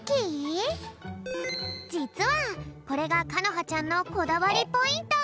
じつはこれがかのはちゃんのこだわりポイント！